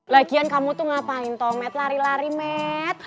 lagian kamu tuh ngapain met lari lari met